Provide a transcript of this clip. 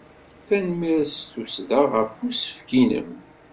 Tanemmirt s tussda ɣef usefk-nnem.